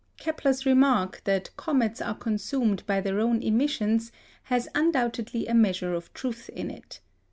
Kepler's remark, that comets are consumed by their own emissions, has undoubtedly a measure of truth in it.